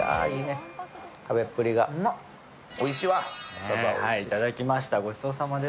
うまっ、いただきました、ごちそうさまです。